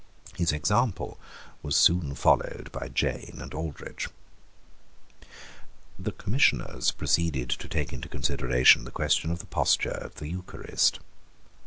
His example was soon followed by Jane and Aldrich, The commissioners proceeded to take into consideration the question of the posture at the Eucharist.